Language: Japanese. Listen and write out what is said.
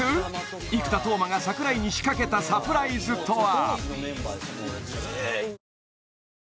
生田斗真が櫻井に仕掛けたサプライズとは？